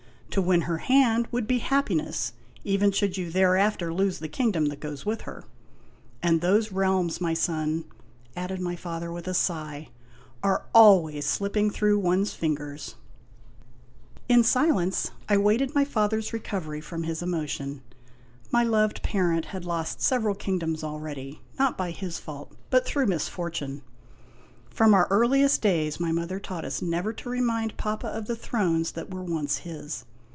To win her hand would be happiness, even should you thereafter lose the king dom that goes with her. And those realms, my son," added my father, with a sigh, "are always slipping through one's fingers !" In silence I waited my father's recovery from his emotion. My loved parent had lost several kingdoms already not by his fault, but through misfortune. From our earliest days my mother taught us never to remind Papa of the thrones that were once his.